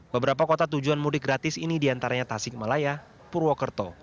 beberapa kota tujuan mudik gratis ini diantaranya tasikmalaya purwokerto